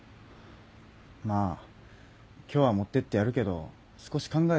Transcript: まあ今日は持ってってやるけど少し考えた方がよくないか？